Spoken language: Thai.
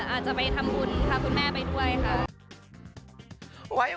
อาจจะไปทำบุญพาคุณแม่ไปด้วยค่ะ